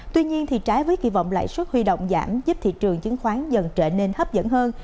tuy nhiên trái với kỳ vọng lãi suất huy động giảm giúp thị trường chứng khoán dần trở nên hấp dẫn hơn